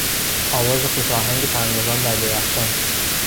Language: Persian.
آواز خوش آهنگ پرندگان در درختان